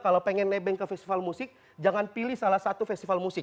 kalau pengen nebeng ke festival musik jangan pilih salah satu festival musik